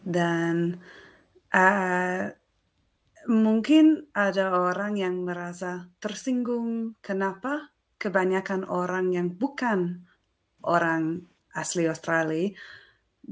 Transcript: dan mungkin ada orang yang merasa tersinggung kenapa kebanyakan orang yang bukan orang asli australia